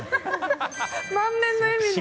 満面の笑みが。